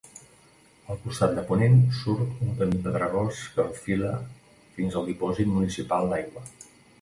Al costat de ponent, surt un camí pedregós que enfila fins al dipòsit municipal d'aigua.